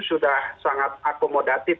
sudah sangat akomodatif